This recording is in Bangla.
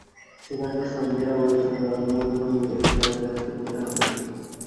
সেখানকার শ্রমিকেরা বলেছেন, গরমের মধ্যে কোনো বিরতি ছাড়াই কাজ করতে হয়।